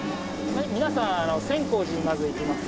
皆さん千光寺にまず行きますね。